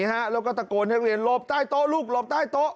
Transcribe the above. วิ่งหลบหนีฮะแล้วก็ตะโกนให้เรียนหลบใต้โต๊ะลูกหลบใต้โต๊ะ